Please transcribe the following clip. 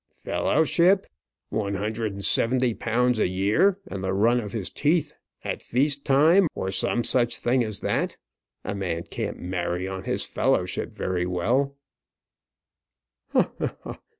"Fellowship! One hundred and seventy pounds a year and the run of his teeth at feast time, or some such thing as that. A man can't marry on his fellowship very well!"